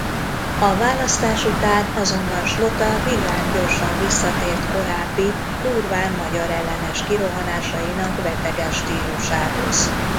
A választás után azonban Slota villámgyorsan visszatért korábbi durván magyarellenes kirohanásainak beteges stílusához.